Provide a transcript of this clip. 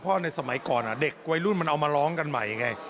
เพราะในสมัยก่อนเด็กวัยรุ่นมันเอามาร้องกันใหม่ไง